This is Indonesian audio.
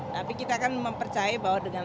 tapi kita kan mempercayai bahwa dengan